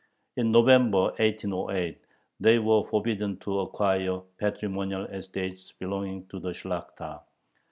In November, 1808, they were forbidden to acquire patrimonial estates belonging to the Shlakhta.